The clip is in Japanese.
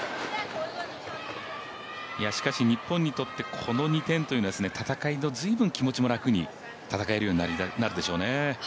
しかし、日本にとってこの２点というのは戦いの気持ちもずいぶん楽になるでしょうね。